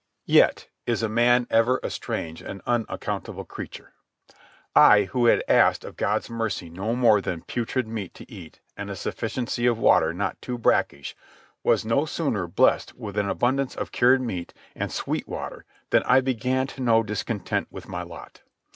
Yet is man ever a strange and unaccountable creature. I, who had asked of God's mercy no more than putrid meat to eat and a sufficiency of water not too brackish, was no sooner blessed with an abundance of cured meat and sweet water than I began to know discontent with my lot.